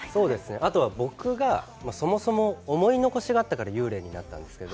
僕がそもそも思い残しがあったから幽霊になったんですけど